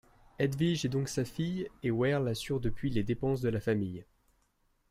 Hedwig est donc sa fille, et Werle assure depuis les dépenses de la famille.